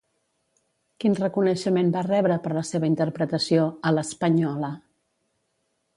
Quin reconeixement va rebre per la seva interpretació a La Spagnola?